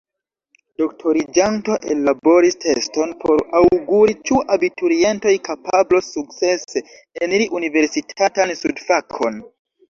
Doktoriĝanto ellaboris teston por aŭguri, ĉu abiturientoj kapablos sukcese eniri universitatan studfakon.